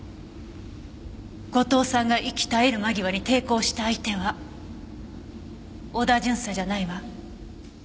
後藤さんが息絶える間際に抵抗した相手は織田巡査じゃないわ。